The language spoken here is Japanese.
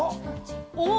おっ？